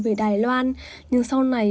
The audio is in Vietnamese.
về đài loan nhưng sau này